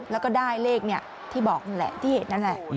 แล้วก็ได้เลขที่บอกนั่นแหละที่เห็นนั่นแหละ